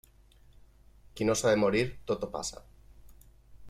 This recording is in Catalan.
Qui no s'ha de morir, tot ho passa.